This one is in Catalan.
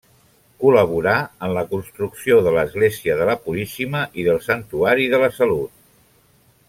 Col·laborà en la construcció de l'església de la Puríssima i del santuari de la Salut.